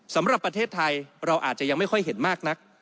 สำหรับประเทศไทยเราอาจจะยังไม่ค่อยเห็นมากนัก